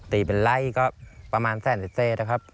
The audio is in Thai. ตีเป็นไล่ก็ประมาณแสนเศษนะครับ